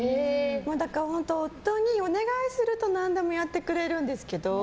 本当、夫にお願いすると何でもやってくれるんですけど。